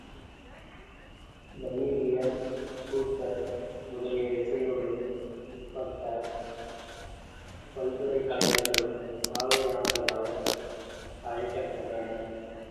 வயிரியர், கூத்தர் முதலிய இசையோடு பட்ட பல் துறைக் கலைஞர்களும் பார்வையாளராக அழைக்கப் பெற்றனர்.